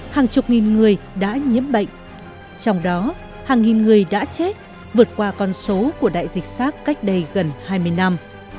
hàng chục nghìn người đã nhiễm bệnh trong đó hàng nghìn người đã chết vượt qua con số của đại dịch sars cách đây gần hai mươi năm